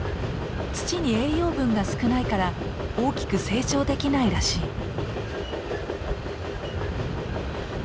土に栄養分が少ないから大きく成長できないらしい。